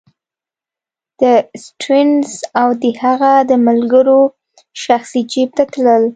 د سټیونز او د هغه د ملګرو شخصي جېب ته تلل.